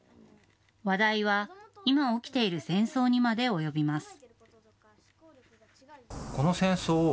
話題は今、起きている戦争にまで及びます。